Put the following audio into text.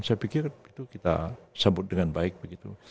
saya pikir itu kita sambut dengan baik begitu